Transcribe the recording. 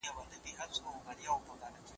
په دې دوره کي څو پېړۍ تيارې وې.